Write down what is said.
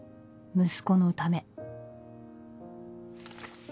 息子のため」。